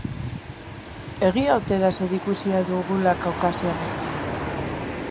Egia ote da zerikusia dugula kaukasiarrekin?